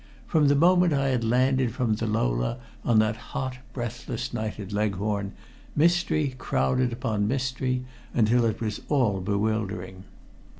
From the moment I had landed from the Lola on that hot, breathless night at Leghorn, mystery had crowded upon mystery until it was all bewildering.